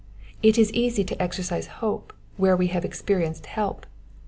It is easy to exercise hope where we have experienced help.